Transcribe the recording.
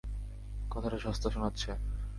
কথাটা সস্তা শোনাচ্ছে।